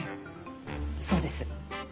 そうです。